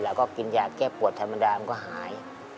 แล้วก็กินยาแก้ปวดธรรมดามันก็หาย